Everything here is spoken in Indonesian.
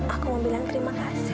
aku mau bilang terima kasih